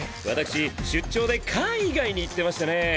私出張で海外に行ってましてね